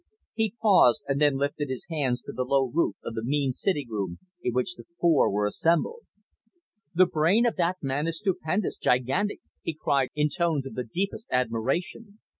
He paused, and then lifted his hands to the low roof of the mean sitting room in which the four were assembled. "The brain of that man is stupendous, gigantic," he cried, in tones of the deepest admiration.